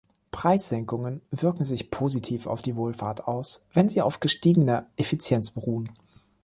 Preissenkungen wirken sich positiv auf die Wohlfahrt aus, wenn sie auf gestiegener Effizienz beruhen.